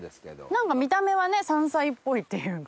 何か見た目はね山菜っぽいっていうか。